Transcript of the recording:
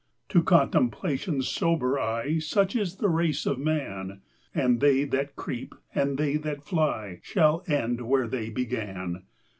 To Contemplation's sober eye Such is the race of Man: And they that creep, and they that fly, Shall end where they began.